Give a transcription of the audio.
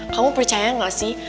kamu percaya gak sih